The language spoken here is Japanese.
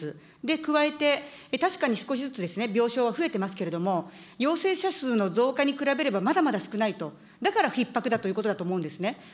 加えて、確かに少しずつ、少しずつ病床は増えてますけれども、陽性者数の増加に比べれば、まだまだ少ないと、だからひっ迫だということだと思うんですね。